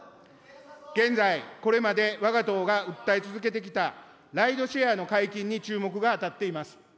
現在これまでわが党が訴え続けてきたライドシェアの解禁に注目が当たっています。